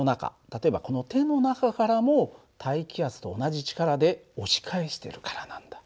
例えばこの手の中からも大気圧と同じ力で押し返してるからなんだ。